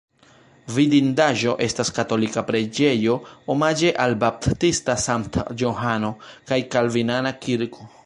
Vidindaĵo estas katolika preĝejo omaĝe al Baptista Sankta Johano kaj kalvinana kirko.